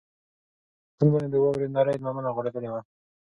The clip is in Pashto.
پر بالکن باندې د واورې نرۍ لمنه غوړېدلې وه.